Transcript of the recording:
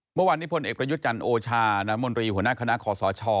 เมื่อวานนี้พลเอกประยุทธ์จันทร์โอชาน้ำมนตรีหัวหน้าคณะคอสช